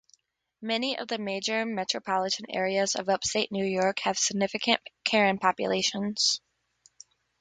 Many of the major metropolitan areas of upstate New York have significant Karen populations.